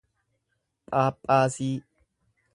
phaaphaasii